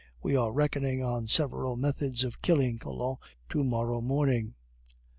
We are reckoning on several methods of killing Collin to morrow morning.